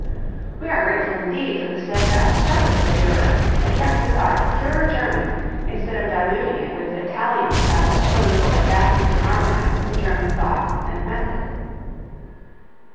We are grateful indeed for the steadfast purpose of Durer that kept his art pure German instead of diluting it with Italian style so little adapted to harmonize with German thought and method.